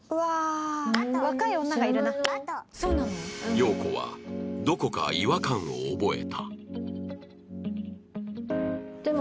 洋子はどこか違和感を覚えた